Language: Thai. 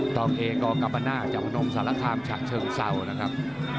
ตองเอพรถก็กลับข้างหน้าจากนมสารค่าชะเชิงเศร้านะครับ